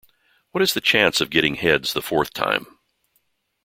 What is the chance of getting heads the fourth time?